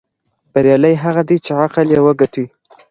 بریالی هغه دی چې عقل یې وګټي.